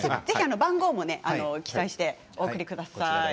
ぜひ番号も記載してお送りください。